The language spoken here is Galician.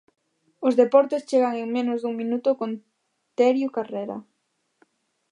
Os deportes chegan en menos dun minuto con Terio Carrera.